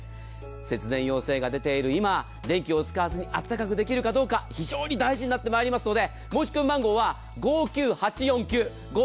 節電要請が出ている今電気を使わずに暖かくできるかどうか、非常に大事になってまいりますので申込番号は５９８４９。